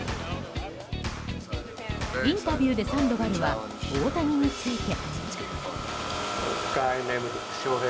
インタビューでサンドバルは大谷について。